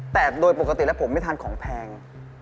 แต่โดยปกติแล้วผมไม่ทานของแพง